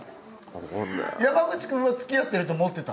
山口くんは付き合ってると思ってた。